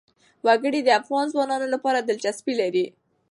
وګړي د افغان ځوانانو لپاره دلچسپي لري.